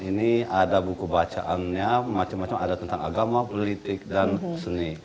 ini ada buku bacaannya macam macam ada tentang agama politik dan seni